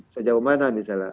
sejauh mana misalnya